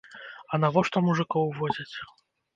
А навошта мужыкоў возяць?